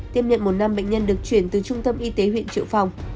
tiếp nhận một nam bệnh nhân được chuyển từ trung tâm y tế huyện triệu phong